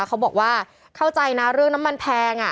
เขาบอกว่าเข้าใจนะเรื่องน้ำมันแพง